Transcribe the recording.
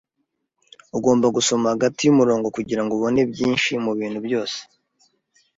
Ugomba gusoma hagati yumurongo kugirango ubone byinshi mubintu byose.